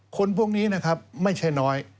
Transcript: คนพวกนี้นะครับไม่ใช่น้อย